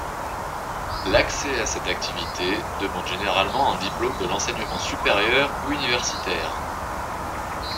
L'accès à cette activité demande généralement un diplôme de l'enseignement supérieur ou universitaire.